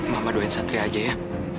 mama doain satria aja ya